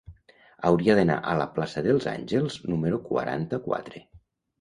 Hauria d'anar a la plaça dels Àngels número quaranta-quatre.